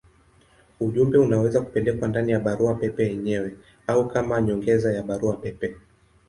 Ujumbe unaweza kupelekwa ndani ya barua pepe yenyewe au kama nyongeza ya barua pepe.